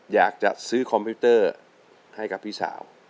อยากจะซื้อคอมพิวเตอร์ให้กับพี่สาว